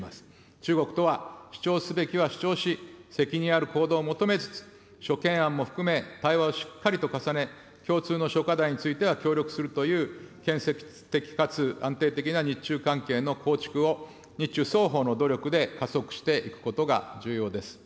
中国とは主張すべきは主張し、責任ある行動を求めつつ、諸懸案も含め、対話をしっかりと重ね、共通の諸課題については協力するという、建設的かつ安定的な日中関係の構築を、日中双方の努力で加速していくことが重要です。